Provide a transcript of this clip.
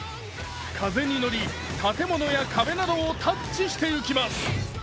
風に乗り建物や壁などをタッチしていきます。